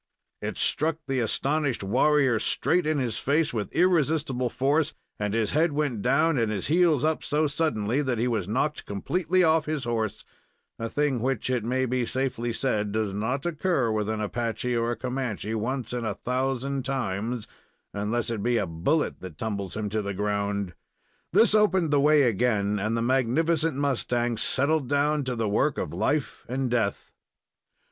It struck the astonished warrior straight in his face with irresistible force and his head went down and his heels up so suddenly that he was knocked completely off his horse a thing which, it may be safely said, does not occur with an Apache or Comanche once in a thousand times, unless it be a bullet that tumbles him to the ground. This opened the way again and the magnificent mustang settled down to the work of life and death.